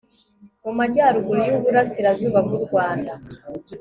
mu majyaruguru y'uburasirazuba bw'u rwanda